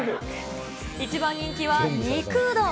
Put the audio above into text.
一番人気は肉うどん。